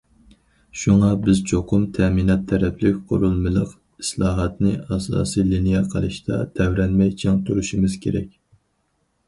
شۇڭا بىز چوقۇم تەمىنات تەرەپلىك قۇرۇلمىلىق ئىسلاھاتنى ئاساسىي لىنىيە قىلىشتا تەۋرەنمەي چىڭ تۇرۇشىمىز كېرەك.